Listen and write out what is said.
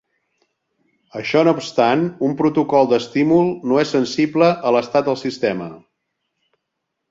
Això no obstant, un protocol d'estímul no és sensible a l'estat del sistema.